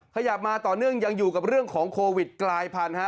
ขยับมาต่อเนื่องยังอยู่กับเรื่องของโควิดกลายพันธุ์